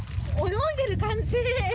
泳いでる感じ。